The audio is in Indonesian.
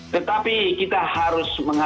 tetapi kita harus memperhatikan